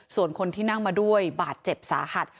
ส่วนคนที่นั่งมาด้วยบาดเจ็บสาหัส